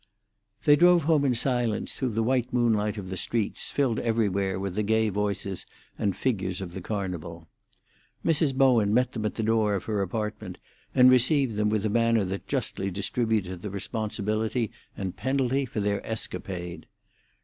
They drove home in silence through the white moonlight of the streets, filled everywhere with the gay voices and figures of the Carnival. Mrs. Bowen met them at the door of her apartment, and received them with a manner that justly distributed the responsibility and penalty for their escapade.